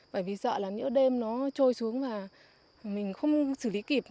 bởi vì sợ là những đêm nó trôi xuống và mình không xử lý kịp